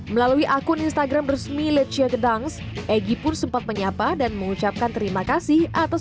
melalui akun instagram resmi lecia gedangs egy pun sempat menyapa dan mengucapkan terima kasih atas